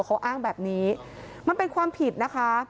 เขาอ้างแบบนี้มันเป็นความผิดนะคะ